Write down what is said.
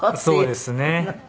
そうですね。